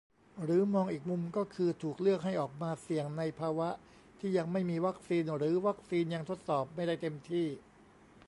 หรือมองอีกมุมก็คือ ถูกเลือกให้ออกมา "เสี่ยง" ในภาวะที่ยังไม่มีวัคซีนหรือวัคซีนยังทดสอบไม่ได้เต็มที่